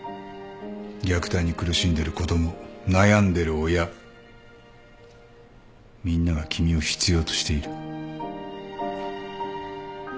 虐待に苦しんでる子供悩んでる親みんなが君を必要としている。